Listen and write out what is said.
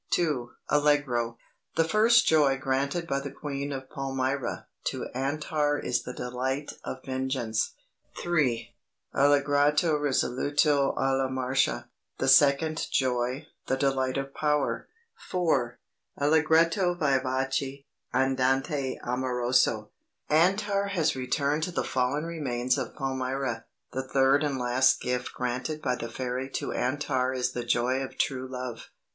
II [Allegro] "The first joy granted by the Queen of Palmyra to Antar is the delight of vengeance." III [Allegro risoluto alla Marcia] "The second joy the delight of power." IV [Allegretto vivace; andante amoroso] "Antar has returned to the fallen remains of Palmyra. The third and last gift granted by the fairy to Antar is the joy of true love.